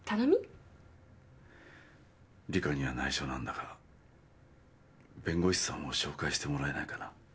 リカにはないしょなんだが弁護士さんを紹介してもらえないかな？